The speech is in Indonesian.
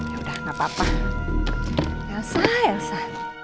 ya udah gapapa elsa elsa